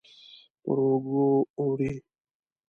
پر اوږو وړي